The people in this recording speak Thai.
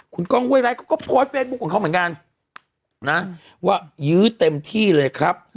คุณก้องห้วยไร้เขาก็โพสต์เฟซบุ๊คของเขาเหมือนกันนะว่ายื้อเต็มที่เลยครับ